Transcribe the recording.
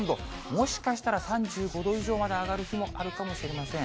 もしかしたら３５度以上まで上がる日もあるかもしれません。